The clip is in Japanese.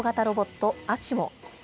ロボット、アシモ。